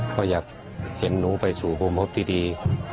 ว่าอยากเห็นลูกไปสู่พวงภพดี